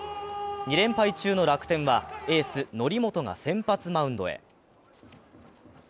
２連敗中の楽天は、エース・則本が先発マウンドへ。